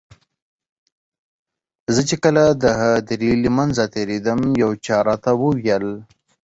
زه چې کله د هدیرې له منځه تېرېدم یو چا راته وویل.